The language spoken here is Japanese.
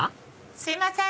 すいません。